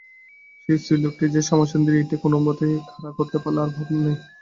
সেই স্ত্রীলোকটি যে শ্যামাসুন্দরী এইটে কোনোমতে খাড়া করতে পারলে আর ভাবনা নেই।